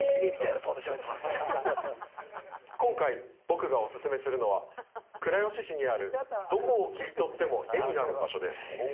今回、僕がおすすめするのは、倉吉市にある、どこを切り取っても画になる場所です。